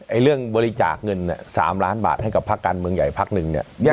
เรื่องบริจาคเงิน๓ล้านบาทให้กับพักการเมืองใหญ่พักหนึ่งเนี่ย